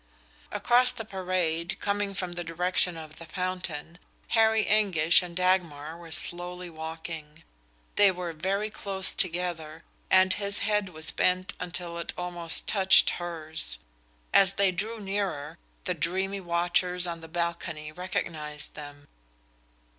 Across the parade, coming from the direction of the fountain, Harry Anguish and Dagmar were slowly walking. They were very close together, and his head was bent until it almost touched hers. As they drew nearer, the dreamy watchers on the balcony recognized them.